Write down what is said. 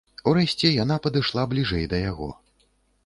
Урэшце яна падышла бліжэй да яго.